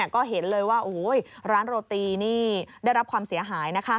ก็เห็นเลยว่าร้านโรตีนี่ได้รับความเสียหาย